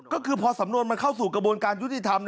ก็คือพอสำนวนมันเข้าสู่กระบวนการยุติธรรม